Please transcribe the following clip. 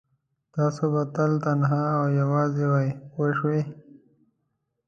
تاسو به تل تنها او یوازې وئ پوه شوې!.